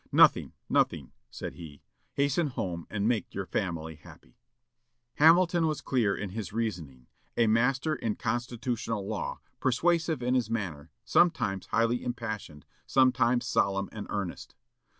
"Nothing! nothing!" said he. "Hasten home and make your family happy." Hamilton was clear in his reasoning; a master in constitutional law; persuasive in his manner; sometimes highly impassioned, sometimes solemn and earnest.